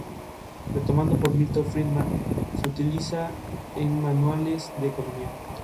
Retomado por Milton Friedman, se utiliza en manuales de economía.